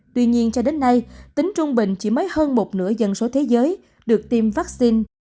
tuy nhiên cho đến nay tính trung bình chỉ mới hơn một nửa dân số thế giới được tiêm vaccine